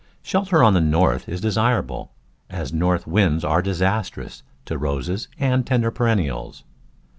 Shelter on the north is desirable, as north winds are disastrous to Roses and tender perennials.